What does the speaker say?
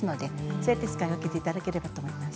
そうやって使い分けていただければと思います。